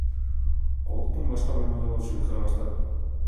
Колуктум башка бөлмөдө болчу, кыйкыра баштады.